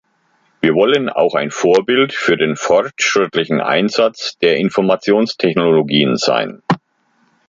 Wir wollen auch ein Vorbild für den fortschrittlichen Einsatz der Informationstechnologien sein.